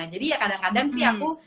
jadi ya kadang kadang sih aku